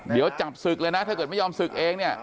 เดี๋ยวจับศึกเลยนะถ้าเกิดไม่ยอมศึกเองเนี่ย